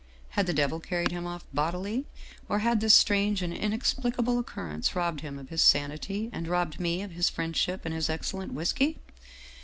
Had the devil carried him off bodily? Or had this strange and inexplicable occurrence robbed him of his sanity, and robbed me of his friendship and his excellent whisky?